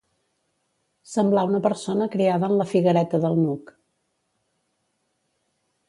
Semblar una persona criada en la Figuereta del Nuc.